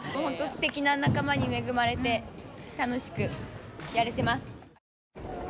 すてきな仲間に恵まれて楽しくやれてます。